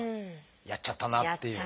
やっちゃったなっていう。